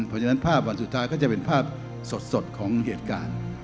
เพราะฉะนั้นภาพวันสุดท้ายก็จะเป็นภาพสดของเหตุการณ์